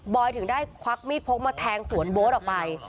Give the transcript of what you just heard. ถึงได้ควักมีดพกมาแทงสวนโบ๊ทออกไป